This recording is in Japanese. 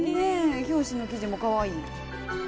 表紙の生地もかわいい。